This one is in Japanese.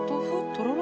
とろろ？